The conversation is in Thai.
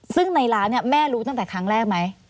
ซึ่งในร้านเนี่ยแม่รู้ตั้งแต่ครั้งแรกไหม